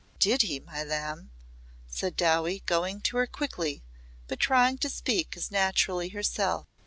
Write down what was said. "Did he, my lamb?" said Dowie going to her quickly but trying to speak as naturally herself.